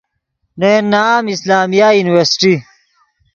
نے ین نام اسلامیہ یورنیورسٹی